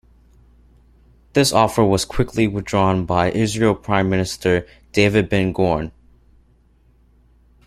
This offer was quickly withdrawn by Israeli Prime Minister David Ben-Gurion.